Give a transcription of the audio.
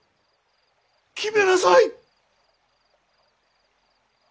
決めなさい。